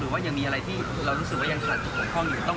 หรือว่ายังมีอะไรที่เรารู้สึกว่ายังสัดของ